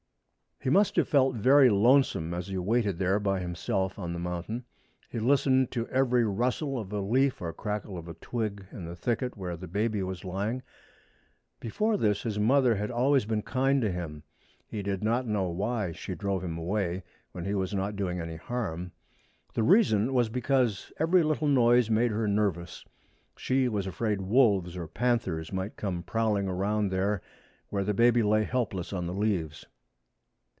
He must have felt very lonesome as he waited there by himself on the mountain. He listened to every rustle of a leaf or crackle of a twig in the thicket where the baby was lying. Before this his mother had always been kind to him. He did not know why she drove him away,—when he was not doing any harm. The reason was because every little noise made her nervous. She was afraid wolves or panthers might come prowling around there, where the baby lay helpless on the leaves.